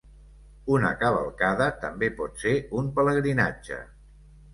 Una cavalcada també pot ser un pelegrinatge.